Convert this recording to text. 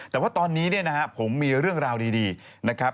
แต่ว่าตอนนี้ผมมีเรื่องราวดีนะครับ